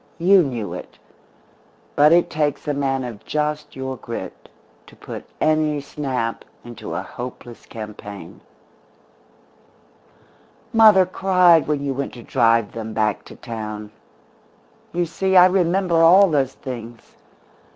You knew it. But it takes a man of just your grit to put any snap into a hopeless campaign. "Mother cried when you went to drive them back to town. You see, I remember all those things.